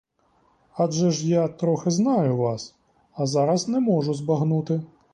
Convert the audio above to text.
Адже ж я трохи знаю вас, а зараз не можу збагнути.